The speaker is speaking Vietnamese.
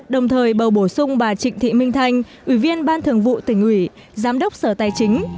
đồng thời bầu bổ sung bà trịnh thị minh thanh ủy viên ban thường vụ tỉnh ủy giám đốc sở tài chính